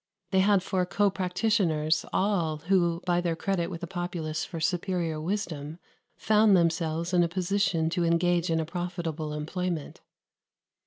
They had for co practitioners all who, by their credit with the populace for superior wisdom, found themselves in a position to engage in a profitable employment.